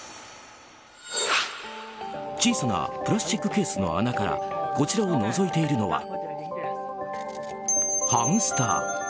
小さなプラスチックケースの穴からこちらをのぞいているのはハムスター。